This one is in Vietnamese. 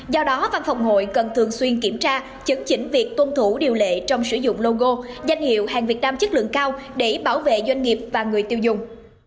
do đó văn phòng hội cần thường xuyên kiểm tra chấn chỉnh việc tuân thủ điều lệ trong sử dụng logo danh hiệu hàng việt nam chất lượng cao để bảo vệ doanh nghiệp và người tiêu dùng